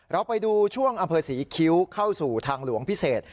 เราไปดูช่วงอำเภอศรีคิ้วเข้าสู่ทางหลวงพิเศษ